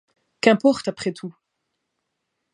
Qu’importe après tout?